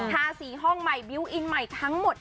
ทาสีห้องใหม่บิวตอินใหม่ทั้งหมด